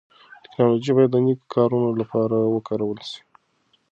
ټکنالوژي بايد د نيکو کارونو لپاره وکارول سي.